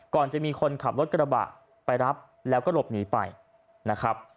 ก่อนจะมีคนขับรถกระบะไปรับแล้วก็หลบหนีไปนะครับ